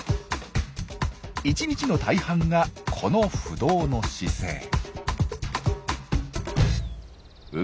１日の大半がこの不動の姿勢。